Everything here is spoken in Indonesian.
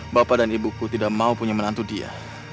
bapak dan ibuku tidak mau punya menantu dia